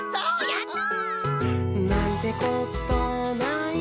やった！